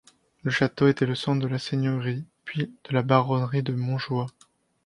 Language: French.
Le château était le centre de la seigneurie, puis de la baronnie de Montjoie.